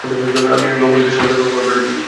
আমি লাখনৌতে সম্পাদকে কল করে দিয়েছি।